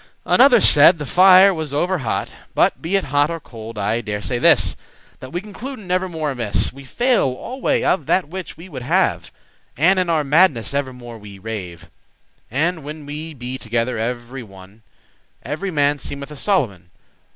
Another said, the fire was over hot. But be it hot or cold, I dare say this, That we concluden evermore amiss; We fail alway of that which we would have; And in our madness evermore we rave. And when we be together every one, Every man seemeth a Solomon.